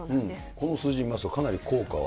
この数字見ますと、かなり効果は。